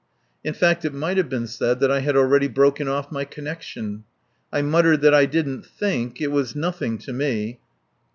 In fact, it might have been said that I had already broken off my connection. I muttered that I didn't think it was nothing to me.